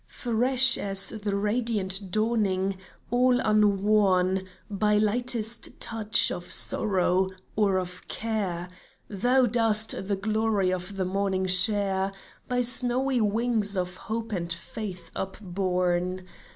Fresh as the radiant dawning — all unworn By lightest touch of sorrow, or of care, Thou dost the glory of the morning share By snowy wings of hope and faith upborne